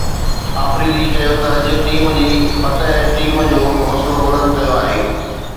آفريدي چيو ته اج جي فتح ٽيم جو حوصلو بلند ڪيو آهي